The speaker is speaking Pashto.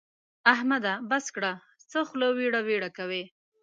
احمده! بس کړه؛ څه خوله ويړه ويړه کوې.